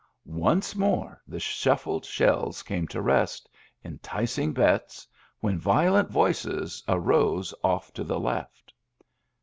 Once more the shuffled shells came to rest, enticing bets, when violent voices arose oflF to the left.